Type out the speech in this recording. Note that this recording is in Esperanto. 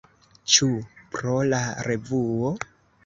Ĉu pro la revuo?